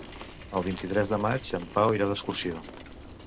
El vint-i-tres de maig en Pau irà d'excursió.